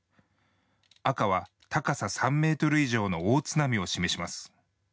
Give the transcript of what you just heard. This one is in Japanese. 赤は高さ３ｍ以上の大津波を示します。